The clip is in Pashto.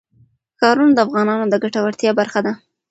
ښارونه د افغانانو د ګټورتیا برخه ده.